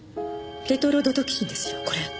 テトロドトキシンですよこれ。